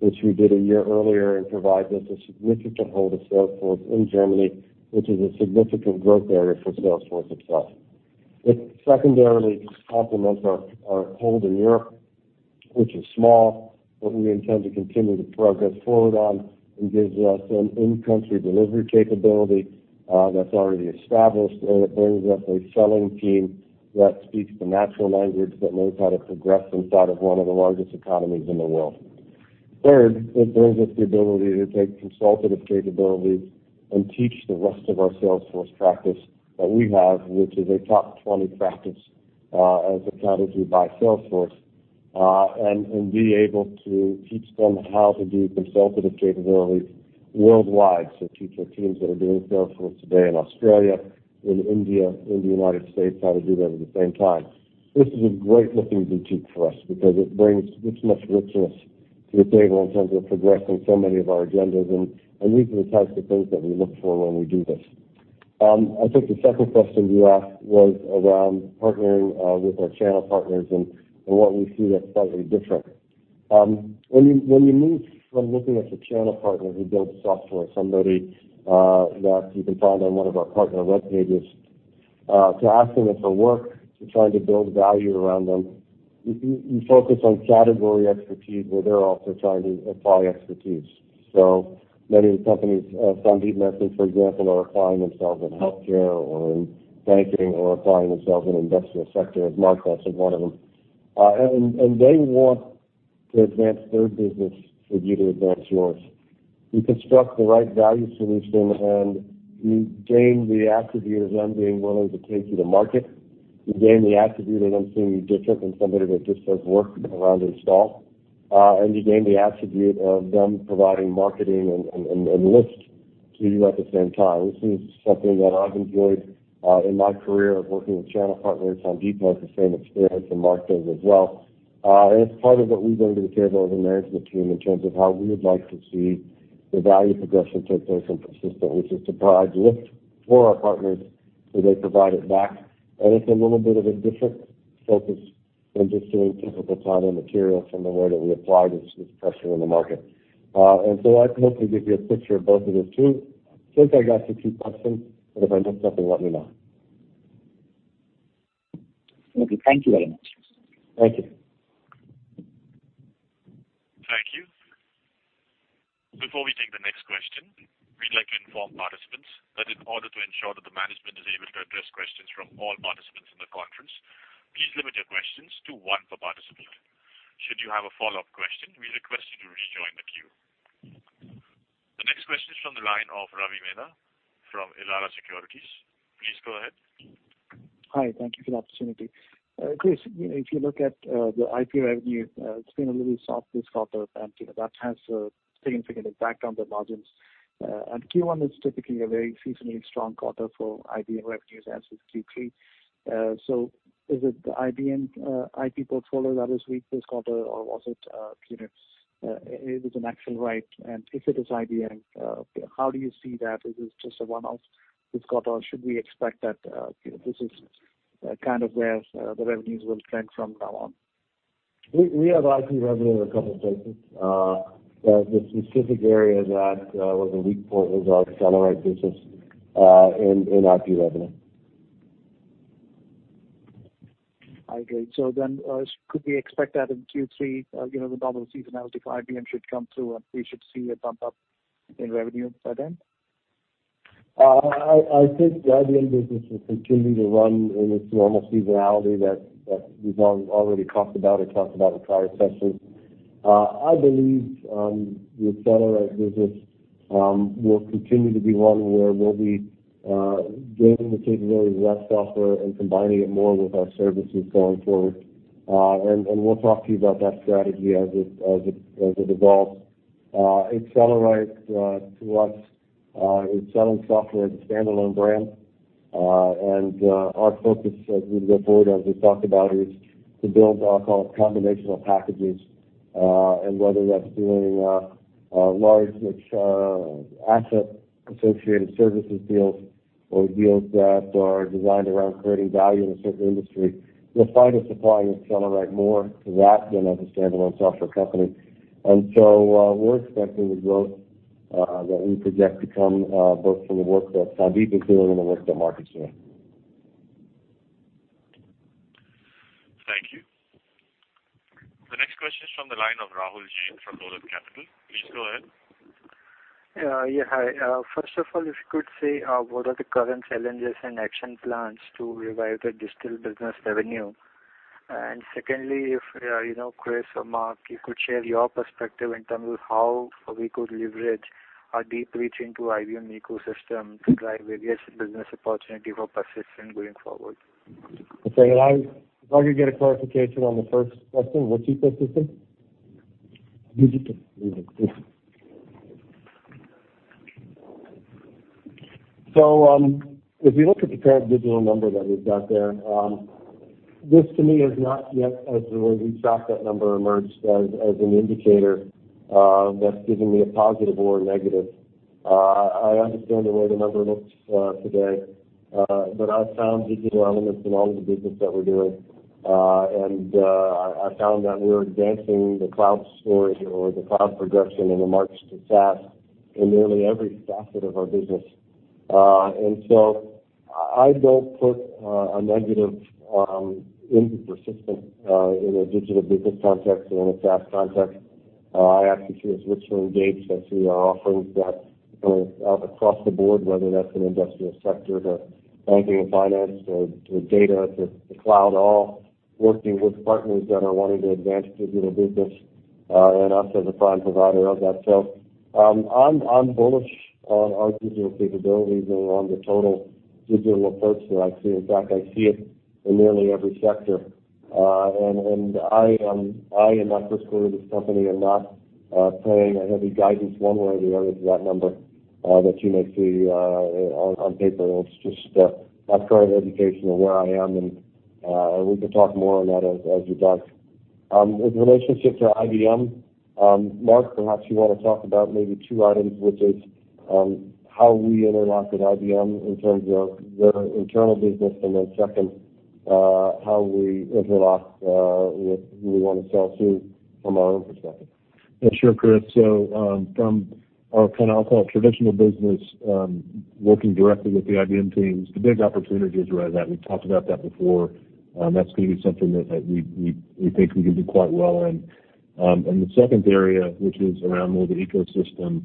which we did a year earlier, and provides us a significant hold of Salesforce in Germany, which is a significant growth area for Salesforce itself. It secondarily complements our hold in Europe, which is small, but we intend to continue to progress forward on and gives us an in-country delivery capability that's already established. It brings us a selling team that speaks the natural language, that knows how to progress inside of one of the largest economies in the world. Third, it brings us the ability to take consultative capabilities and teach the rest of our Salesforce practice that we have, which is a top 20 practice as accounted to by Salesforce, and be able to teach them how to do consultative capabilities worldwide. Teach our teams that are doing Salesforce today in Australia, in India, in the United States, how to do that at the same time. This is a great looking boutique for us because it brings richness to the table in terms of progressing so many of our agendas, and these are the types of things that we look for when we do this. I think the second question you asked was around partnering with our channel partners and what we see that's slightly different. When you move from looking at the channel partner who builds software, somebody that you can find on one of our partner web pages, to asking them for work, to trying to build value around them, you focus on category expertise where they're also trying to apply expertise. Many of the companies, Sandeep mentioned, for example, are applying themselves in healthcare or in banking or applying themselves in industrial sector, Mark Simpson, one of them. They want to advance their business for you to advance yours. You construct the right value solution, and you gain the attribute of them being willing to take you to market. You gain the attribute of them seeing you different than somebody that just does work around install, and you gain the attribute of them providing marketing and list to you at the same time. This is something that I've enjoyed in my career of working with channel partners. Sandeep has the same experience, and Mark does as well. It's part of what we bring to the table as a management team in terms of how we would like to see the value progression take place in Persistent, which is to provide lift for our partners, so they provide it back. It's a little bit of a different focus than just doing typical time and material from the way that we apply this pressure in the market. I can hopefully give you a picture of both of those two. I think I got to two questions, but if I missed something, let me know. Okay. Thank you very much. Thank you. Thank you. Before we take the next question, we would like to inform participants that in order to ensure that the management is able to address questions from all participants in the conference, please limit your questions to one per participant. Should you have a follow-up question, we request you to rejoin the queue. The next question is from the line of Ravi Menon from Elara Securities. Please go ahead. Hi. Thank you for the opportunity. Chris, if you look at the IP revenue, it's been a little soft this quarter, and that has a significant impact on the margins. Q1 is typically a very seasonally strong quarter for IBM revenues, as is Q3. Is it the IBM IP portfolio that was weak this quarter, or was it an Accelerite? If it is IBM, how do you see that? Is this just a one-off this quarter or should we expect that this is kind of where the revenues will trend from now on? We have IP revenue in a couple places. The specific area that was a weak point was our Accelerite business in IP revenue. I agree. Could we expect that in Q3, the double seasonality for IBM should come through, and we should see a bump up in revenue by then? I think the IBM business will continue to run in its normal seasonality that we've already talked about or talked about in prior sessions. I believe the Accelerite business will continue to be one where we'll be gaining the capabilities of that software and combining it more with our services going forward. We'll talk to you about that strategy as it evolves. Accelerite, to us, is selling software as a standalone brand, and our focus as we go forward, as we've talked about, is to build what I'll call combinational packages. Whether that's doing large, rich asset-associated services deals or deals that are designed around creating value in a certain industry, you'll find us applying Accelerite more to that than as a standalone software company. We're expecting the growth that we project to come both from the work that Sandeep is doing and the work that Mark is doing. Thank you. The next question is from the line of Rahul Jain from Dolat Capital. Please go ahead. Yeah. Hi. First of all, if you could say, what are the current challenges and action plans to revive the digital business revenue? Secondly, if Chris or Mark, you could share your perspective in terms of how we could leverage our deep reach into IBM ecosystem to drive various business opportunity for Persistent going forward. Sorry, if I could get a clarification on the first question, what ecosystem? Digital. If you look at the current digital number that we've got there, this to me is not yet as the way we track that number emerged as an indicator that's giving me a positive or a negative. I understand the way the number looks today, but I found digital elements along the business that we're doing. I found that we're advancing the cloud story or the cloud progression in a marked success in nearly every facet of our business. I don't put a negative into Persistent, in a digital business context or in a SaaS context. I actually see us richly engaged as we are offering that out across the board, whether that's an industrial sector to banking and finance, to data, to cloud, all working with partners that are wanting to advance digital business and us as a prime provider of that. I'm bullish on our digital capabilities and on the total digital approach that I see. In fact, I see it in nearly every sector. I am not persuaded this company are not playing a heavy guidance one way or the other to that number that you may see on paper. It's just my current indication of where I am, and we could talk more on that as we go. In relationship to IBM, Mark, perhaps you want to talk about maybe two items, which is how we interlock with IBM in terms of their internal business, and then second, how we interlock with who we want to sell to from our own perspective. Yeah, sure, Chris. From our kind of traditional business, working directly with the IBM teams, the big opportunity is around that. We've talked about that before. That's going to be something that we think we can do quite well in. The second area, which is around more the ecosystem,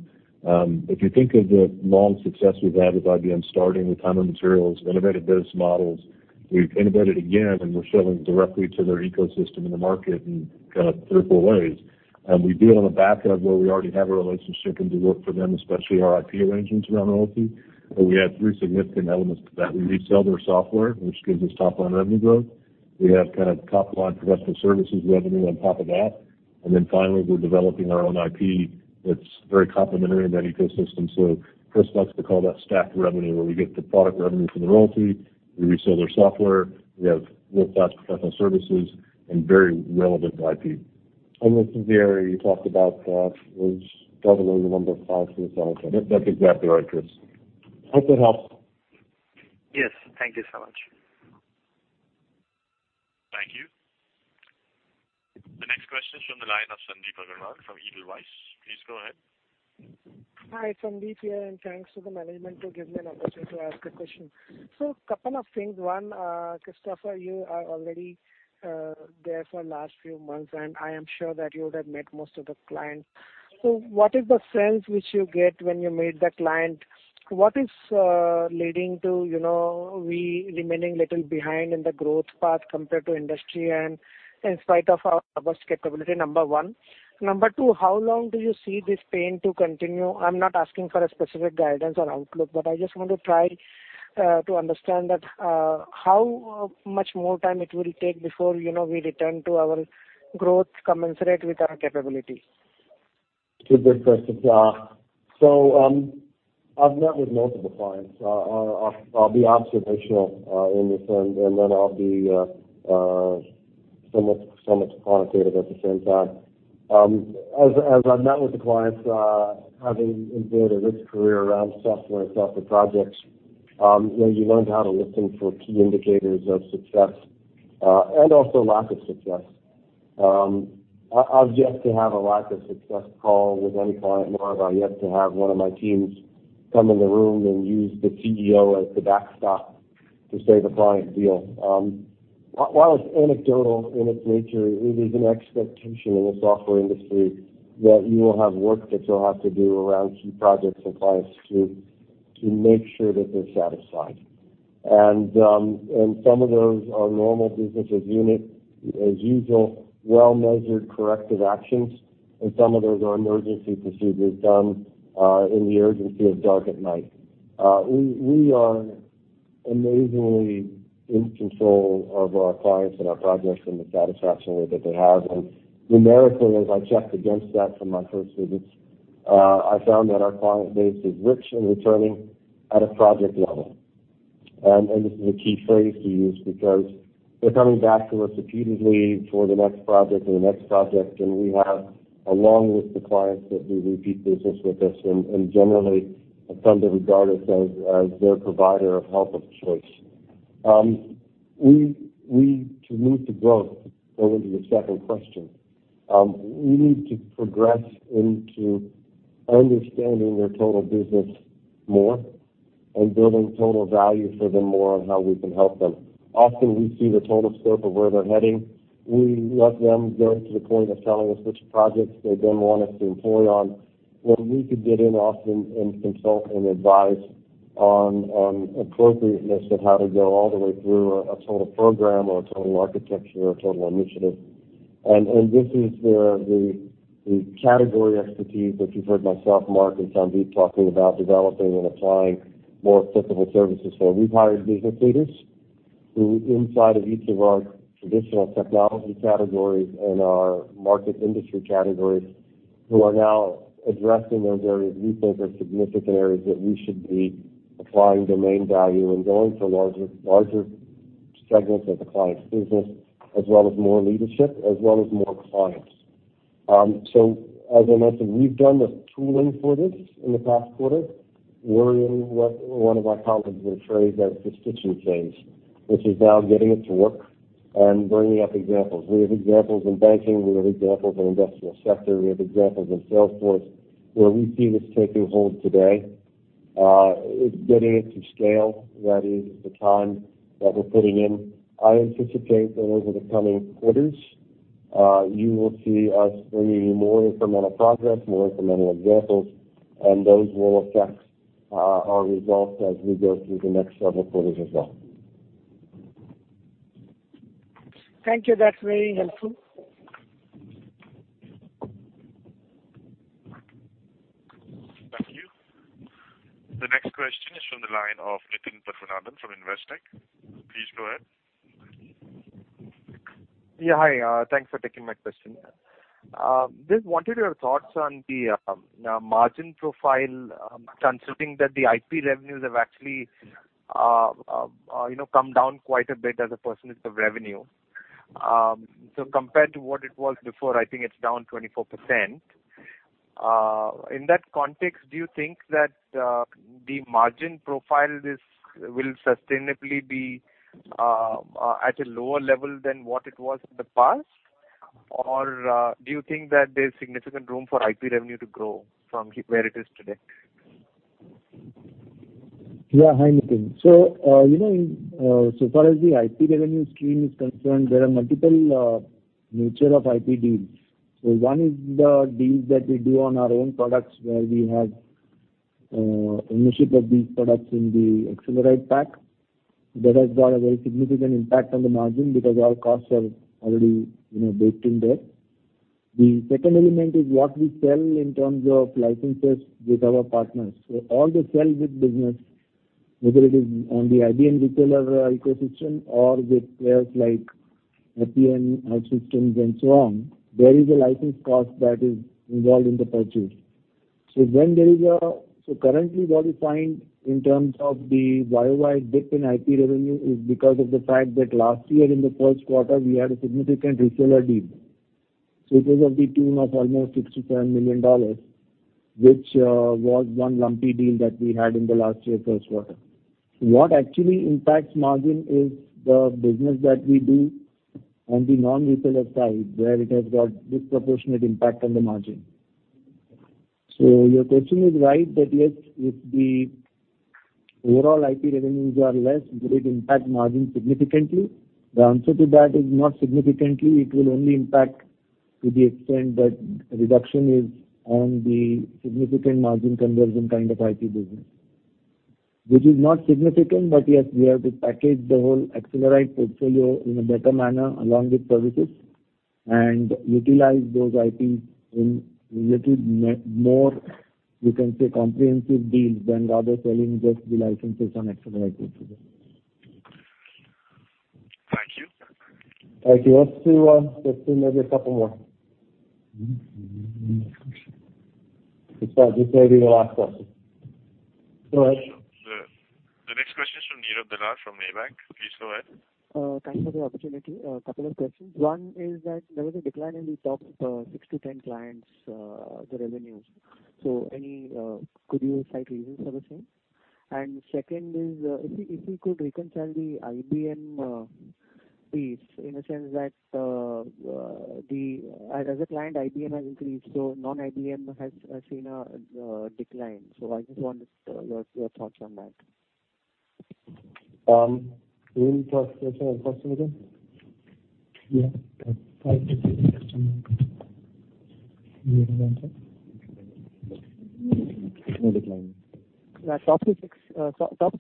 if you think of the long success we've had with IBM, starting with time and materials, innovative business models. We've innovated again, and we're selling directly to their ecosystem in the market in three or four ways. We did it on the back of where we already have a relationship and do work for them, especially our IP arrangements around royalty, where we have three significant elements to that. We resell their software, which gives us top-line revenue growth. We have top-line professional services revenue on top of that. Finally, we're developing our own IP that's very complementary in that ecosystem. Chris likes to call that stacked revenue, where we get the product revenue from the royalty, we resell their software, we have top-line professional services, and very relevant IP. This is the area you talked about that was driving the number five for the quarter. That's exactly right, Chris. Hope that helps. Yes. Thank you so much. Thank you. The next question is from the line of Sandip Agarwal from Edelweiss. Please go ahead. Hi, Sandip here. Thanks to the management who give me an opportunity to ask a question. Couple of things. One, Christopher, you are already there for last few months. I am sure that you would have met most of the clients. What is the sense which you get when you meet the client? What is leading to we remaining little behind in the growth path compared to industry and in spite of our robust capability? Number one. Number two, how long do you see this pain to continue? I'm not asking for a specific guidance or outlook. I just want to try to understand that how much more time it will take before we return to our growth commensurate with our capability. Two good questions. I've met with multiple clients. I'll be observational in this, and then I'll be somewhat quantitative at the same time. As I met with the clients, having embedded a rich career around software itself and projects, you learn how to listen for key indicators of success, and also lack of success. I've yet to have a lack of success call with any client, nor have I yet to have one of my teams come in the room and use the CEO as the backstop to save a client deal. While it's anecdotal in its nature, it is an expectation in the software industry that you will have work that you'll have to do around key projects and clients to make sure that they're satisfied. Some of those are normal business as usual, well-measured corrective actions, and some of those are emergency procedures done in the urgency of dark at night. We are amazingly in control of our clients and our progress and the satisfaction that they have. Numerically, as I checked against that from my first visits, I found that our client base is rich and returning at a project level. This is a key phrase to use because they're coming back to us repeatedly for the next project and the next project, and we have a long list of clients that do repeat business with us and generally have come to regard us as their provider of help of choice. To move to growth, to go into your second question, we need to progress into understanding their total business more and building total value for them more on how we can help them. Often, we see the total scope of where they're heading. We let them get to the point of telling us which projects they then want us to employ on, when we could get in often and consult and advise on appropriateness of how to go all the way through a total program or a total architecture or a total initiative. This is where the category expertise that you've heard myself, Mark, and Sandeep talking about developing and applying more applicable services. We've hired business leaders who, inside of each of our traditional technology categories and our market industry categories, who are now addressing those areas we think are significant areas that we should be applying domain value and going for larger segments of the client's business, as well as more leadership, as well as more clients. As I mentioned, we've done the tooling for this in the past quarter. We're in what one of my colleagues will phrase as the stitching phase, which is now getting it to work and bringing up examples. We have examples in banking, we have examples in industrial sector, we have examples in Salesforce, where we see this taking hold today. Getting it to scale, that is the time that we're putting in. I anticipate that over the coming quarters, you will see us bringing more incremental progress, more incremental examples, and those will affect our results as we go through the next several quarters as well. Thank you. That's very helpful. Thank you. The next question is from the line of Nitin Padmanabhan from Investec. Please go ahead. Yeah. Hi. Thanks for taking my question. Just wanted your thoughts on the margin profile, considering that the IP revenues have actually come down quite a bit as a percentage of revenue. Compared to what it was before, I think it's down 24%. In that context, do you think that the margin profile will sustainably be at a lower level than what it was in the past? Or do you think that there's significant room for IP revenue to grow from where it is today? Yeah. Hi, Nitin. Far as the IP revenue stream is concerned, there are multiple nature of IP deals. One is the deals that we do on our own products where we have ownership of these products in the Accelerite pack, that has got a very significant impact on the margin because all costs are already baked in there. The second element is what we sell in terms of licenses with our partners. All the sell with business, whether it is on the IBM reseller ecosystem or with players like IBM, HP systems and so on, there is a license cost that is involved in the purchase. Currently what we find in terms of the YOY dip in IP revenue is because of the fact that last year in the first quarter, we had a significant reseller deal. It was of the tune of almost $6.7 million, which was one lumpy deal that we had in the last year first quarter. What actually impacts margin is the business that we do on the non-reseller side, where it has got disproportionate impact on the margin. Your question is right, that yes, if the overall IP revenues are less, will it impact margin significantly? The answer to that is not significantly. It will only impact to the extent that reduction is on the significant margin conversion kind of IP business, which is not significant, but yes, we have to package the whole Accelerite portfolio in a better manner along with services and utilize those IPs in little more, you can say, comprehensive deals than rather selling just the licenses on Accelerite portfolio. Thank you. Thank you. Let's do maybe a couple more. In fact, this may be the last one. Go ahead. The next question is from [Niral Dalal from ABAC]. Please go ahead. Thanks for the opportunity. A couple of questions. One is that there was a decline in the top six to 10 clients, the revenues. Could you cite reasons for the same? Second is, if we could reconcile the IBM piece in the sense that as a client, IBM has increased, non-IBM has seen a decline. I just want your thoughts on that. Can you repeat the question again? Yeah. There's no decline. The top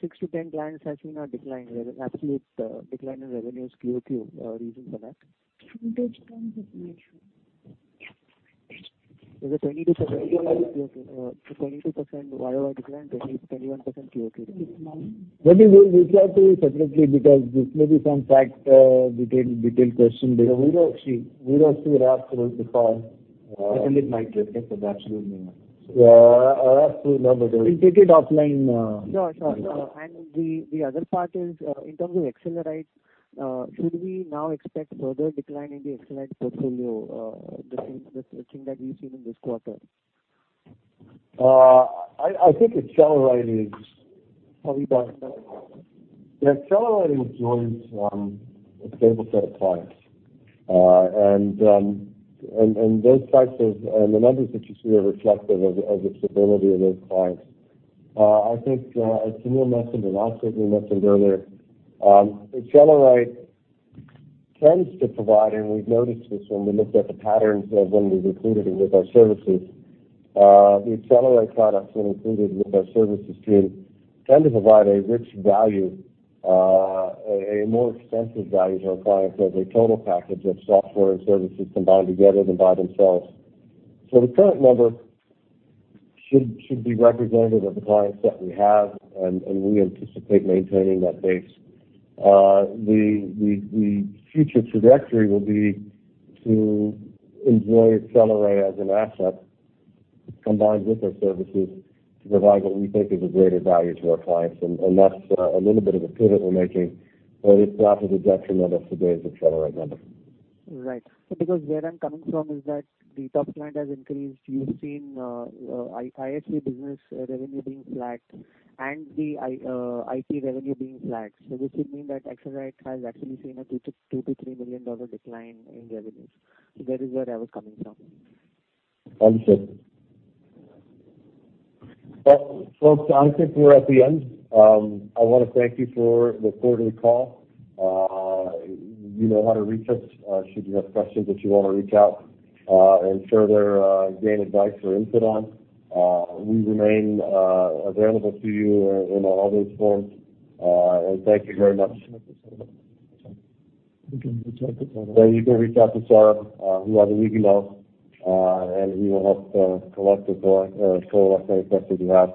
six to 10 clients has seen a decline, absolute decline in revenues QoQ. Your reason for that? There's a 22% YoY decline versus 21% QoQ decline. Maybe we'll reach out to you separately because this may be some fact, detailed question. We don't see a rationale to call. Yeah. We'll take it offline. Sure. The other part is, in terms of Accelerite, should we now expect further decline in the Accelerite portfolio, the thing that we've seen in this quarter? I think Accelerite. How are you doing? Yeah. Accelerite enjoys a stable set of clients. The numbers that you see are reflective of the stability of those clients. I think, as Sunil mentioned, and also as we mentioned earlier, Accelerite tends to provide, and we've noticed this when we looked at the patterns of when we've included it with our services, the Accelerite products when included with our services tend to provide a rich value, a more extensive value to our clients as a total package of software and services combined together than by themselves. The current number should be representative of the clients that we have, and we anticipate maintaining that base. The future trajectory will be to enjoy Accelerite as an asset combined with our services to provide what we think is a greater value to our clients. That's a little bit of a pivot we're making, but it's not at the detriment of today's Accelerite numbers. Right. Where I'm coming from is that the top client has increased. You've seen [ISE business] revenue being flat and the IP revenue being flat. This would mean that Accelerite has actually seen a $2 million-$3 million decline in revenues. That is where I was coming from. Understood. Well, folks, I think we're at the end. I want to thank you for the quarterly call. You know how to reach us, should you have questions that you want to reach out and further gain advice or input on. We remain available to you in all those forms. Thank you very much. We can reach out to Sarab. Yeah, you can reach out to Sarab via the email, and he will help collect any questions you have.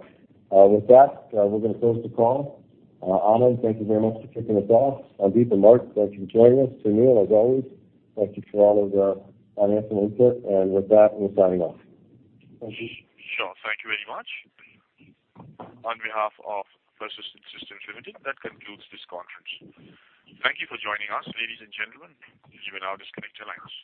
With that, we're going to close the call. Anand, thank you very much for kicking us off. Sandeep and Mark, thank you for joining us. Sunil, as always, thank you for all of the financial input. With that, we're signing off. Thank you. Sure. Thank you very much. On behalf of Persistent Systems Limited, that concludes this conference. Thank you for joining us, ladies and gentlemen. You may now disconnect your lines.